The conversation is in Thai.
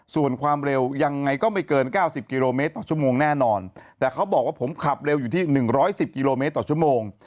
ส่วนความเร็วยังไงก็ไม่เกิน๙๐กิโลเมตรต่อชั่วโมงแน่นอนแต่เขาบอกว่าผมขับเร็วอยู่ที่๑๑๐กิโลเมตรต่อชั่วโมง